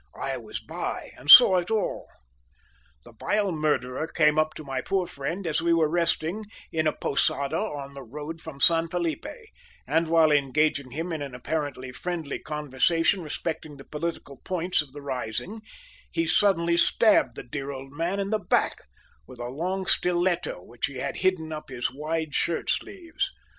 I was by and saw it all. The vile murderer came up to my poor friend as we were resting in a posada on the road from San Felipe; and, while engaging him in an apparently friendly conversation respecting the political points of the rising, he suddenly stabbed the dear old man in the back with a long stiletto which he had hidden up his wide shirt sleeves.